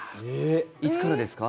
いつからですか？